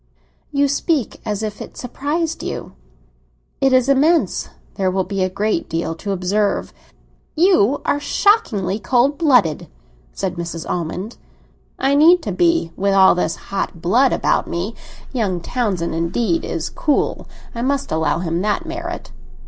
"You speak as if it surprised you." "It is immense; there will be a great deal to observe." "You are shockingly cold blooded!" said Mrs. Almond. "I need to be with all this hot blood about me. Young Townsend indeed is cool; I must allow him that merit."